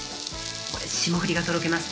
これ、霜降りがとろけます。